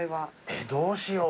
えっどうしよう。